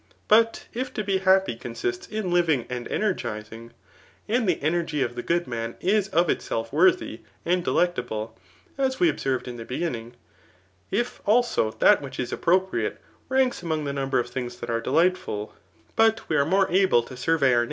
But if to be Iiappy consists in living and energizing, and the energy of ^e good man is of itself worthy and de lectable, as we observed in the beginning ; if also that which is appropriate ranks among the number of things diat are delightful, but we are more able to survey our • ytnrm.